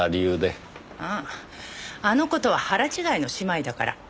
あああの子とは腹違いの姉妹だから。